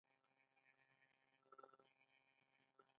ایا زه له یو ګیلاس اوبه څښلی شم؟